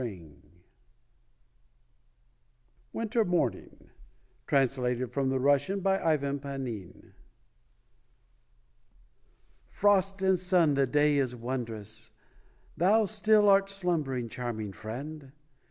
112 ] UNSUNG HEROES WINTER MORNING (Translated from the Russian by IVAN PANIN) Frost and sun the day is wondrous ! Thou still art slumbering, charming friend.